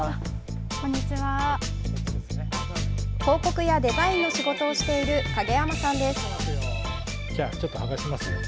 広告やデザインの仕事をしている影山さんです。